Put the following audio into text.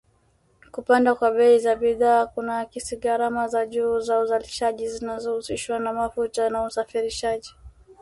Kupanda kwa bei za bidhaa kunaakisi gharama za juu za uzalishaji zinazohusishwa na mafuta na usafirishaji.